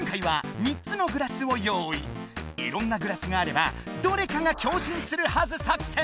いろんなグラスがあればどれかが共振するはず作戦！